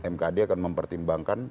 mkd akan mempertimbangkan